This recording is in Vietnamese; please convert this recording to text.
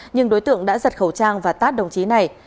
nhưng đối tượng đã giật khẩu trang và tát đồng chí này